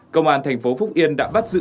công an thành phố phúc yên đã bắt giữ